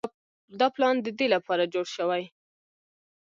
دا پلان د دې لپاره جوړ شوی